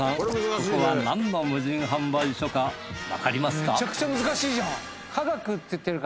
ここは何の無人販売所かわかりますか？